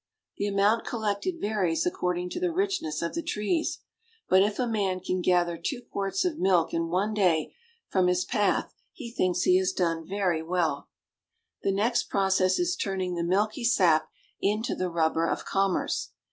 The amount collected varies according to the richness of the trees, but if a man can gather two quarts of milk in one day from his path he thinks he has done very well 3i8 BRAZIL. The next process is turning the milky sap into the rubber of commerce.